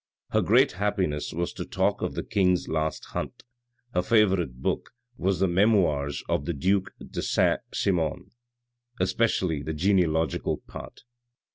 Her great happiness was to talk of the king's last hunt ; her favourite book, was the Memoirs of the Duke de Saint Simon, especially the genealogical part.